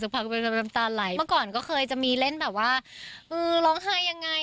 สักพักก็เป็นตามตาไหล่เมื่อก่อนก็เคยจะมีเล่นแบบว่าอือร้องไห้ยังไง